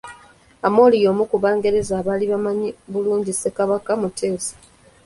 Amory y’omu ku bangereza abaali bamanyi obulungi Ssekabaka Muteesa.